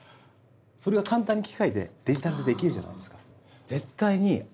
それが簡単に機械でデジタルでできるじゃないですか。